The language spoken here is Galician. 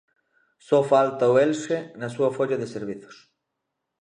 Só falta o Elxe na súa folla de servizos.